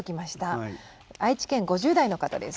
愛知県５０代の方です。